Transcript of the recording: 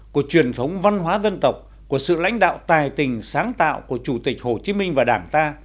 của truyền thống văn hóa dân tộc của sự lãnh đạo tài tình sáng tạo của chủ tịch hồ chí minh và đảng ta